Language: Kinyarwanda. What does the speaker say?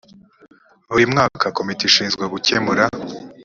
buri mwaka komite ishizwe gukemura